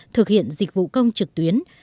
thực hiện dịch vụ công trực tuyến